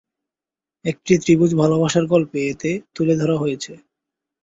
একটি ত্রিভুজ ভালোবাসার গল্প এতে তুলে ধরা হয়েছে।